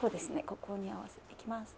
ここに合わせていきます。